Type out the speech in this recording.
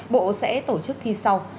bộ sẽ tổ chức thi sau